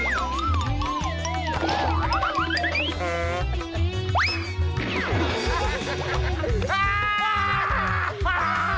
yang ini ya